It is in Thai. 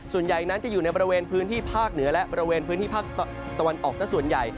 ส่วนใหญ่นั้นจะอยู่ในบริเวณพื้นที่ภาคเหนือและบริเวณพื้นที่ภาคตะวันออกซะส่วนใหญ่